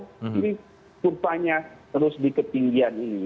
jadi kurvanya terus di ketinggian ini